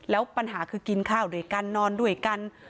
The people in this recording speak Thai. แล้วปัญหาคือกินข้าวด้วยกันนอนด้วยกัน